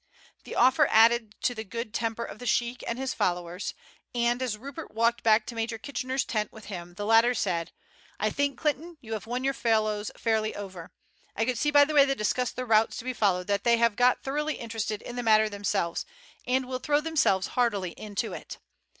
The offer added to the good temper of the sheik and his followers, and as Rupert walked back to Major Kitchener's tent with him the latter said, "I think, Clinton, you have won your fellows fairly over. I could see by the way they discussed the routes to be followed, that they have got thoroughly interested in the matter themselves, and will throw themselves heartily into it.